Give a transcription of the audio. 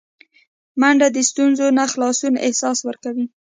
منډه د ستونزو نه خلاصون احساس ورکوي